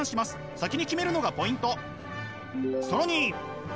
先に決めるのがポイント！